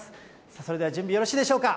それでは準備よろしいでしょうか。